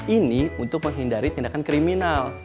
ini untuk menghindari tindakan kriminal